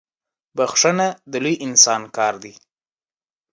بخښنه د لوی انسان کار دی.